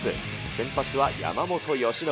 先発は山本由伸。